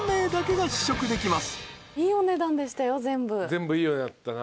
全部いい値段だったな。